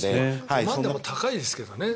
５万円でも高いですけどね。